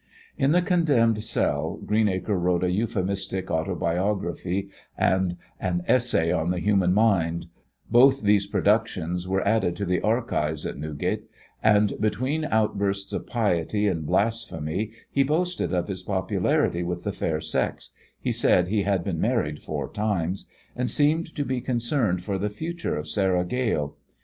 In the condemned cell Greenacre wrote a euphemistic autobiography and "An Essay on the Human Mind" both these productions were added to the archives at Newgate and between outbursts of piety and blasphemy he boasted of his popularity with the fair sex he said he had been married four times and seemed to be concerned for the future of Sarah Gale.